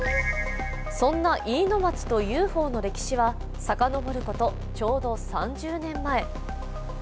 そんな飯野町とＵＦＯの歴史はさかのぼることちょうど３０年前。